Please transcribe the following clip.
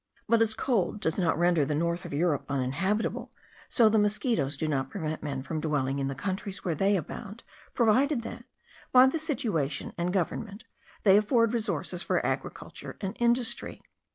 But as cold does not render the north of Europe uninhabitable, so the mosquitos do not prevent men from dwelling in the countries where they abound, provided that, by their situation and government, they afford resources for agriculture and industry.